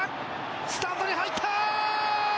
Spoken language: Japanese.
スタンドに入ったー！